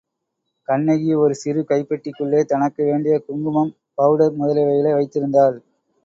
கண்ணகி ஒரு சிறு கைப்பெட்டிக்குள்ளே தனக்கு வேண்டிய குங்குமம், பவுடர் முதலியவைகளை வைத்திருந்தாள்.